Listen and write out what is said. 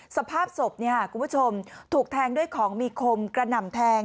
สภาพศพคุณผู้ชมถูกแทงด้วยของมีคมกระหน่ำแทง